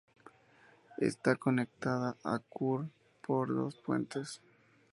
Está conectada a Kure por dos puentes.